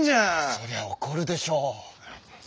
そりゃ怒るでしょう。